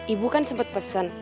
ibu kan sempet pesen